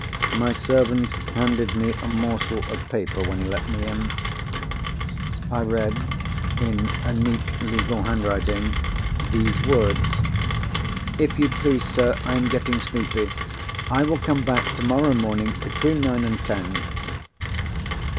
My servant handed me a morsel of paper when he let me in. I read, in a neat legal handwriting, these words—"If you please, sir, I am getting sleepy. I will come back tomorrow morning, between nine and ten."